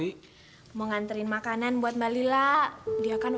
ya ngapain kamu turun